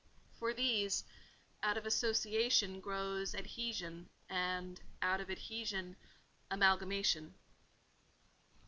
For these out of association grows adhesion, and out of adhesion, amalgamation.